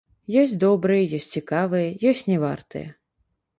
Ёсць добрыя, ёсць цікавыя, ёсць не вартыя.